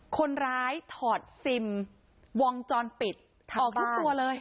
คนร้ายถอดซิมวงจรปิดทั้งทุกตัวเลย